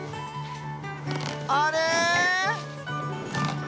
あれ？